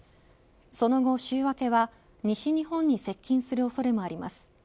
その後、週明けは西日本に接近する恐れもあります。